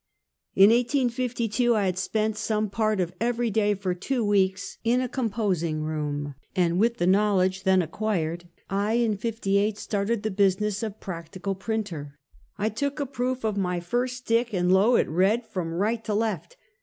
In '52, I had spent some part of every day for two weeks in a composing room, and with the knowledge then acquired, I, in '58 started the business of practical printer. I took a proof of my first stick, and lo, it read from right to left.